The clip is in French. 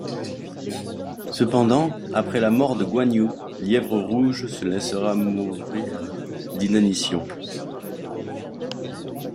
Cependant, après la mort de Guan Yu, Lièvre Rouge se laissera mourir d’inanition.